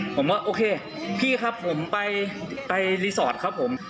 ผมว่าโอเคพี่ครับผมไปรีสอร์ทครับผม